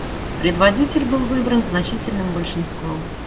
Предводитель был выбран значительным большинством.